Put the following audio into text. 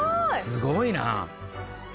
すごいな！